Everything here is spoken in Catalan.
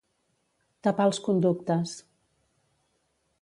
Tapar els conductes.